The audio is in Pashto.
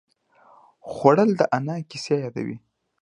خوړل د انا کیسې یادوي